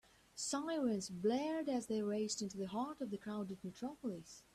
Sirens blared as they raced into the heart of the crowded metropolis.